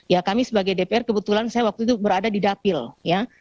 ya kami sebagai dpr kebetulan saya waktu itu berada di dapil ya